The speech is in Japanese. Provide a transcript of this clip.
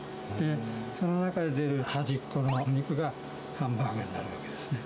その中で出る端っこの肉がハンバーグになるわけですね。